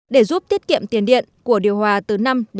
để giúp tiết kiệm tiền điện của điều hòa từ năm một mươi